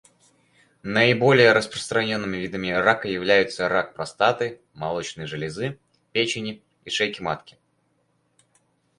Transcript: Наиболее распространенными видами рака являются рак простаты, молочной железы, печени и шейки матки.